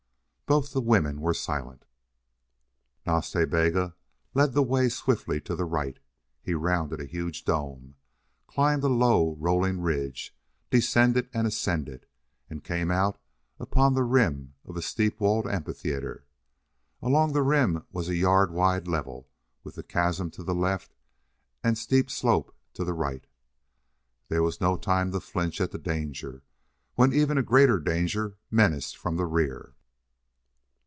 Both the women were silent. Nas Ta Bega led the way swiftly to the right. He rounded a huge dome, climbed a low, rolling ridge, descended and ascended, and came out upon the rim of a steep walled amphitheater. Along the rim was a yard wide level, with the chasm to the left and steep slope to the right. There was no time to flinch at the danger, when an even greater danger menaced from the rear.